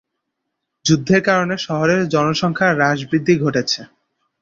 যুদ্ধের কারণে শহরের জনসংখ্যা হ্রাস-বৃদ্ধি ঘটেছে।